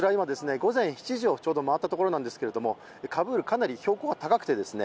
午前７時をちょうど回ったところなんですけれどもカブールかなり標高が高くてですね